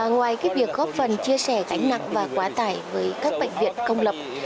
ngoài việc góp phần chia sẻ gánh nặng và quá tải với các bệnh viện công lập